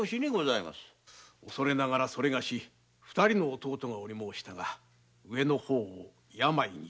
恐れながらそれがし二人の弟がおりましたが上の方を病にて。